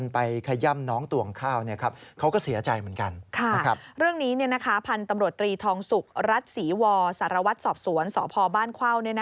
เรื่องนี้พันธุ์ตำรวจตรีทองสุกรัฐศรีวสารวัตรสอบสวนสพบ้านเข้า